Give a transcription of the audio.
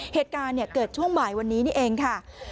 เหตุการณ์เกิดช่วงบ่ายวันนี้นี่เองค่ะ